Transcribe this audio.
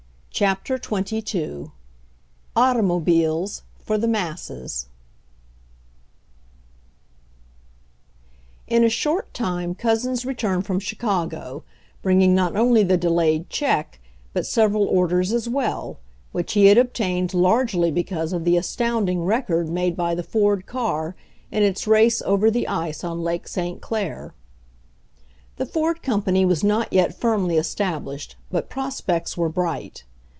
A CHAPTER XXII AUTOMOBILES FOR THE MASSES In a short time Couzens returned from Chi cago, bringing not only the delayed check, but several orders as well, which he had obtained largely because of the astounding record made by the Ford car in its race over the ice on Lake St. Clair. The Ford company was not yet firmly estab lished, but prospects were bright.